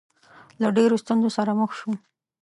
له ډېرو ستونزو سره مخ شو.